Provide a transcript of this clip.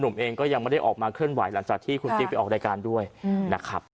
เองก็ยังไม่ได้ออกมาเคลื่อนไหวหลังจากที่คุณติ๊กไปออกรายการด้วยนะครับ